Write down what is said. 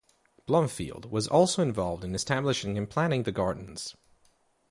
Blomfield was also involved in establishing and planning the gardens.